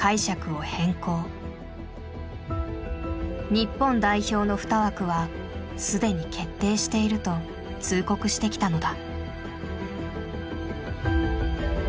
日本代表の２枠は既に決定していると通告してきたのだ。